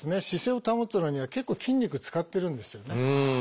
姿勢を保つのには結構筋肉使ってるんですよね。